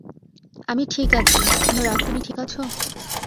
আমি ঠিক আছি - নোরা, তুমি ঠিক আছো?